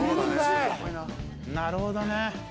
なるほどね。